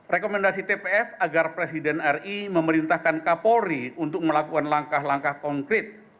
rekomendasi tps agar presiden ri memerintahkan kapolri untuk melakukan langkah langkah konkret